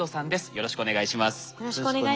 よろしくお願いします。